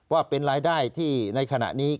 ว่าเป็นรายได้ที่ในขณะนี้